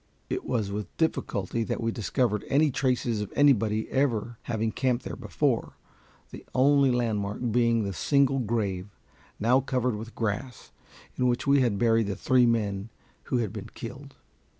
It was with difficulty that we discovered any traces of anybody ever having camped there before, the only landmark being the single grave, now covered with grass, in which we had buried the three men who had been killed.